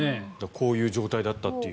こういう状態だったという。